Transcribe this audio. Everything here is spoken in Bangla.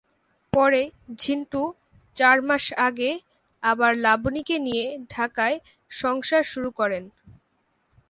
পরে ঝিন্টু চার মাস আগে আবার লাবণীকে নিয়ে ঢাকায় সংসার শুরু করেন।